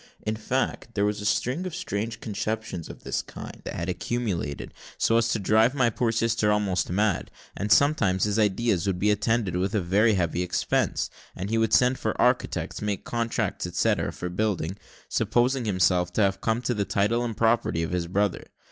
In fact, there was a string of strange conceptions of this kind that had accumulated, so as to drive my poor sister almost mad: and sometimes his ideas would be attended with a very heavy expense, as he would send for architects, make contracts, etcetera, for building, supposing himself to have come to the title and property of his brother.